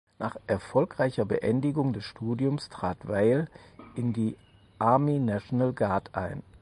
Nach erfolgreicher Beendigung des Studiums trat Vail in die Army National Guard ein.